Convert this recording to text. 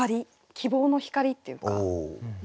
希望の光っていうか。